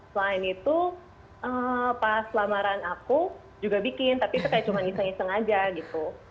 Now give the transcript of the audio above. selain itu pas lamaran aku juga bikin tapi itu kayak cuma iseng iseng aja gitu